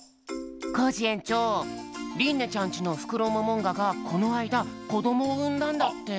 コージえんちょうりんねちゃんちのフクロモモンガがこのあいだこどもをうんだんだって。